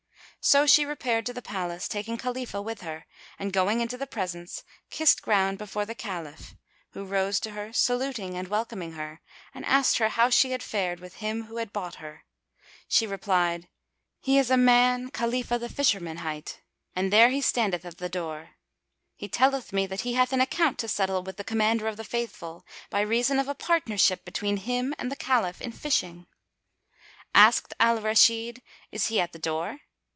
So she repaired to the Palace, taking Khalifah with her, and going into the presence, kissed ground before the Caliph, who rose to her, saluting and welcoming her, and asked her how she had fared with him who had bought her. She replied, "He is a man, Khalifah the Fisherman hight, and there he standeth at the door. He telleth me that he hath an account to settle with the Commander of the Faithful, by reason of a partnership between him and the Caliph in fishing." Asked Al Rashid, "Is he at the door?"